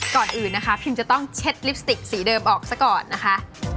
ก่อนอื่นนะคะพิมจะต้องเช็ดลิปสติกสีเดิมออกซะก่อนนะคะ